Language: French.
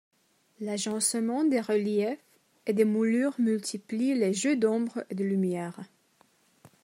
L'agencement des reliefs et des moulures multiplie les jeux d'ombres et de lumières.